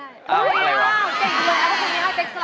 เก่งดีเลยนะถ้าคุณมี๕เจ๊สละเต็มก็ได้